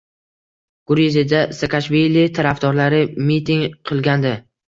Gruziyada Saakashvili tarafdorlari miting qilgandi.